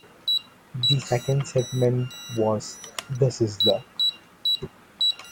The second segment was "The Sizzler".